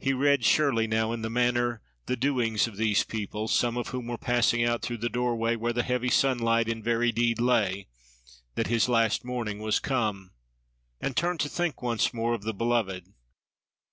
He read surely, now, in the manner, the doings, of these people, some of whom were passing out through the doorway, where the heavy sunlight in very deed lay, that his last morning was come, and turned to think once more of the beloved.